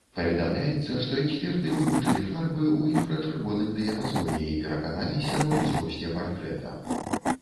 Паведамляецца, што эксперты вывучылі фарбы ў інфрачырвоным дыяпазоне і пераканаліся ва ўзросце партрэта.